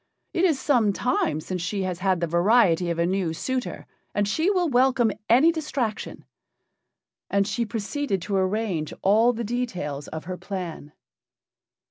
It is some time since she has had the variety of a new suitor, and she will welcome any distraction." And she proceeded to arrange all the details of her plan.